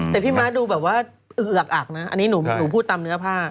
แต่พี่ม้าดูแบบว่าอึกอักนะอันนี้หนูพูดตามเนื้อผ้า